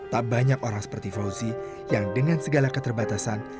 tak banyak orang seperti fauzi yang dengan segala keterbatasan